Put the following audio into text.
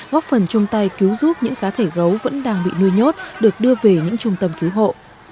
góp phần chung tay cứu giúp những cá thể gấu vẫn đang bị nuôi nhốt được đưa về những trung tâm cứu hộ